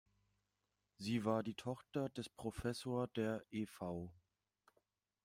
Sie war die Tochter des Professor der ev.